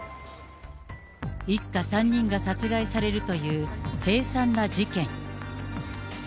一家３人が殺害されるという凄惨な事件。